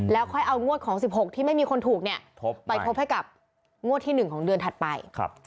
แล้วค่อยเอางวดของ๑๖ที่ไม่มีคนถูกเนี่ยไปทบให้กับงวดที่๑ของเดือนถัดไป